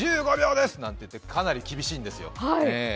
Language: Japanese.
１５秒です！」なんて言ってかなり厳しいんですよ。